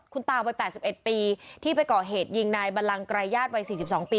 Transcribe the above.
คุณตาวัย๘๑ปีที่ไปก่อเหตุยิงนายบัลลังไกรญาติวัย๔๒ปี